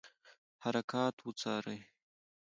حرکات وڅاري.